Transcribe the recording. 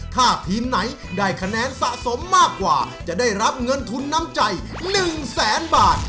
ถ้าทีมไหนได้คะแนนสะสมมากกว่าจะได้รับเงินทุนน้ำใจ๑แสนบาท